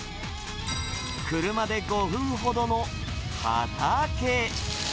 車で５分ほどの畑。